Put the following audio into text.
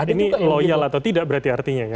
ini loyal atau tidak berarti artinya ya